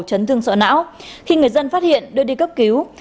chấn thương sợ não khi người dân phát hiện đưa đi cấp cứu